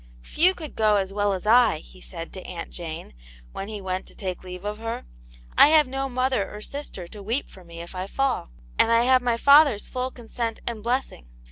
" Few could go as well as 1" \i^ ^"aX.^ \.^ fes^cixii^ 36 Aunt Jane's Hero. Jane, when he went to take leave of her. " I have no mother or sister to weep for me if I fall, and I have my father's full consent and blessing.